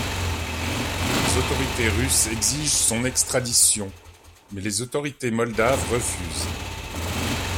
Les autorités russes exigent son extradition, mais les autorités moldaves refusent.